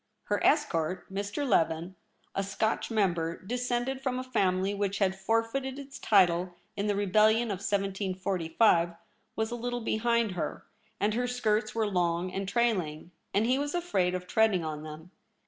Her escort, ]\Ir. Leven, a Scotch member, descended from a family which had forfeited its title in the rebellion of 1745, was a little behind her ; and her skirts were long and trailing, and he was afraid of treading on them.